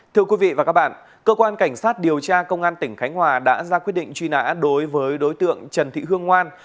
thưa quý vị và các bạn cơ quan cảnh sát điều tra công an tỉnh khánh hòa đã ra quyết định truy nã đối với đối tượng trần thị hương ngoan